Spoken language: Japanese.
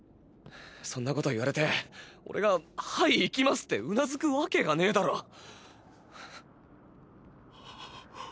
そんなこと言われてオレが「はい行きます」ってうなずくわけがねぇだろ。